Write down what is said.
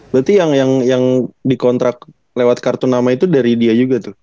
berarti yang dikontrak lewat kartu nama itu dari dia juga tuh